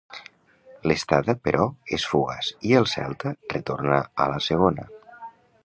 L'estada, però, és fugaç i el Celta retorna a la Segona.